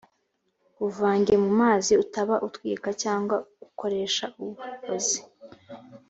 wuvange mu mazi utaba utwika cyangwa ukoresha uburozi